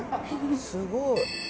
すごい。